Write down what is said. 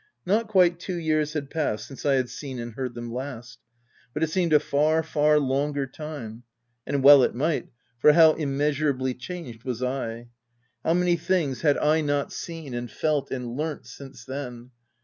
Not quite two years had past since I had seen and heard them last ; but it seemed a far, far longer time ; and well it might, for how immeasurably changed was I \ how many things had I not 204 THE TENANT seen, and felt, and learnt since then